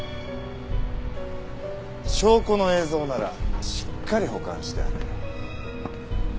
証拠の映像ならしっかり保管してある。